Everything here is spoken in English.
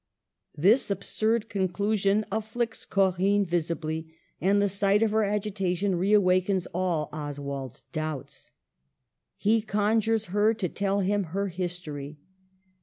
This absurd conclusion afflicts Corinne visibly, and the sight of her agitation reawakens all Oswald's doubts. He conjures her to tell him her history.